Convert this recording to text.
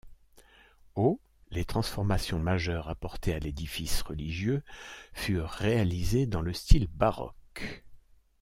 Au les transformations majeures apportées à l'édifice religieux furent réalisées dans le style baroque.